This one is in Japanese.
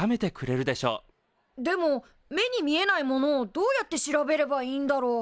でも目に見えないものをどうやって調べればいいんだろう？